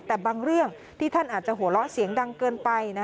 แต่บางเรื่องที่ท่านอาจจะหัวเราะเสียงดังเกินไป